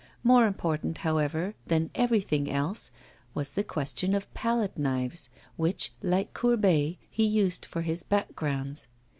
More important, however, than everything else was the question of palette knives, which, like Courbet, he used for his backgrounds.